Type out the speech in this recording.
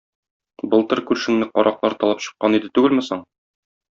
Былтыр күршеңне караклар талап чыккан иде түгелме соң?